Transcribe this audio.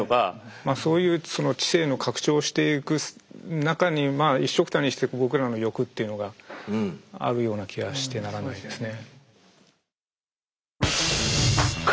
まあそういうその知性の拡張していく中にまあいっしょくたにして僕らの欲っていうのがあるような気がしてならないですね。